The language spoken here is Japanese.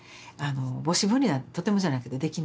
母子分離なんてとてもじゃないけどできない。